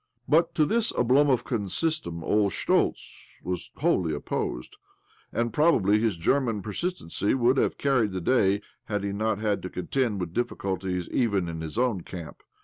But to this' ОЬІошоѵкап system old Schtoltz was wholly opposed; i^id prob ably his German persistency would have carried the day, had he not had to contend with difficulties even in his own campi.